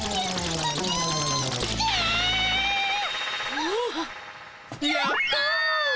あっやった！